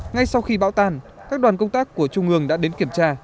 ngay sau khi bão tan các đoàn công tác của trung ương đã đến kiểm tra